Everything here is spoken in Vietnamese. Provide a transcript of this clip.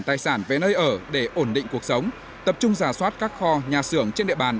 tài sản về nơi ở để ổn định cuộc sống tập trung giả soát các kho nhà xưởng trên địa bàn